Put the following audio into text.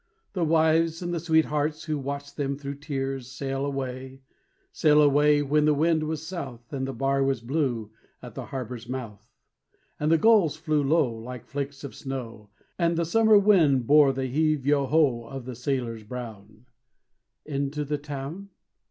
The wives and the sweethearts who watched them thro' tears Sail away, sail away, when the wind was south And the bar was blue at the harbor's mouth, And the gulls flew low like flakes of snow, And the summer wind bore the heave yo ho Of the sailors brown Into the town?